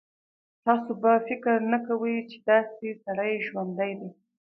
تاسو به فکر نه کوئ چې داسې سړی ژوندی دی.